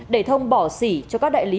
để thông bỏ xỉ cho các đại lý